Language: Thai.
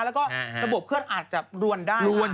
แล้วก็ระบบเคลื่อนอาจจะรวนได้